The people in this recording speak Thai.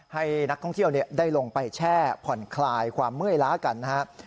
ให้นักท่องเที่ยวได้ลงไปแช่ผ่อนคลายความเมื่อยล้ากันนะครับ